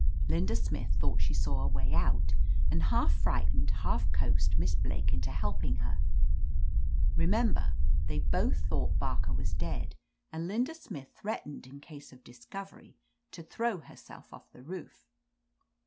Linda Smith thought she saw a way 196 OF LETITIA CARBERRY out, and half frightened, half coaxed Miss Blake into helping her. Remember, they both thought Barker was dead, and Linda Smith threatened in case of discovery, to throw her self off the roof.